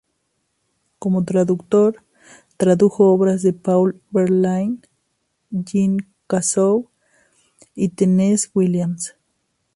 Como traductor, tradujo obras de Paul Verlaine, Jean Cassou y Tennessee Williams.